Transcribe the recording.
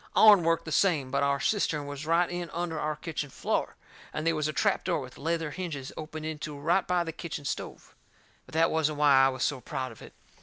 Ourn worked the same, but our cistern was right in under our kitchen floor, and they was a trap door with leather hinges opened into it right by the kitchen stove. But that wasn't why I was so proud of it.